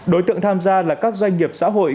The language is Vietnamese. đối tượng tham gia là các doanh nghiệp xã hội